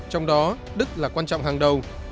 trong đó đức là quan trọng hàng đầu